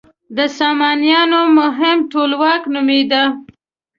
د سامانیانو مهم ټولواک نومېده.